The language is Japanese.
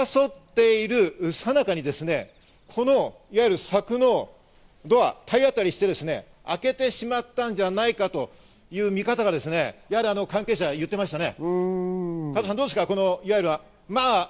争っているさ中に柵のドアを体当たりして開けてしまったんじゃないかと言う見方が関係者が言ってましたね。